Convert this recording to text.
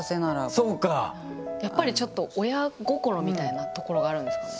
やっぱりちょっと親心みたいなところがあるんですか？